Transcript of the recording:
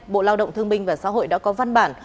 bộ lao động thương minh và xã hội đã có văn bản